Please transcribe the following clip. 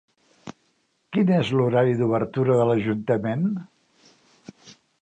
Quin és l'horari d'obertura de l'ajuntament?